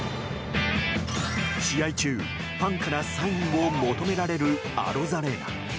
試合中、ファンからサインを求められるアロザレーナ。